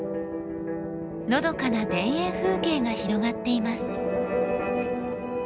のどかな田園風景が広がっています。